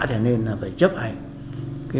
phải chấp hành